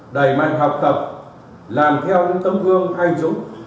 đầy mạnh học tập làm theo tấm gương anh dũng